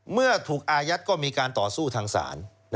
เมื่อถูกอายัดก็มีการต่อสู้ทางศาล